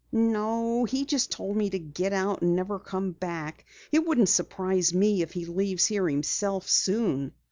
"No, he just told me to get out and never come back. It wouldn't surprise me if he leaves here himself soon."